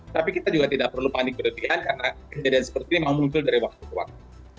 tapi kita juga tidak perlu panik berlebihan karena kejadian seperti ini memang muncul dari waktu ke waktu